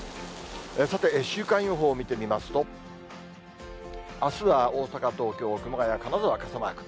さて、週間予報を見てみますと、あすは大阪、東京、熊谷、金沢、傘マーク。